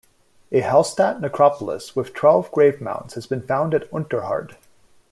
A Hallstatt necropolis with twelve grave mounds has been found at Unterhard.